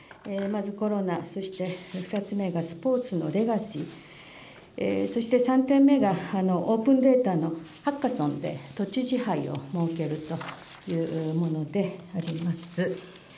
まずコロナ、そして２つ目がスポーツのレガシー、そして３点目が、オープンデータのハッカソンっていう都知事杯を設けるというものであります。